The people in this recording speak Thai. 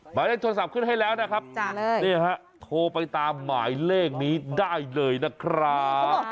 หมายเลขโทรศัพท์ขึ้นให้แล้วนะครับโทรไปตามหมายเลขนี้ได้เลยนะครับ